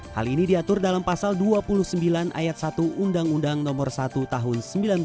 hal ini diatur dalam pasal dua puluh sembilan ayat satu undang undang no satu tahun seribu sembilan ratus sembilan puluh